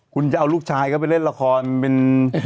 คุณจะเอาลูกชายเข้าไปเล่นละครเป็น